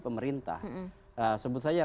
pemerintah sebut saja